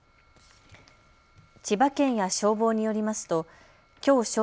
千葉県や消防によりますときょう正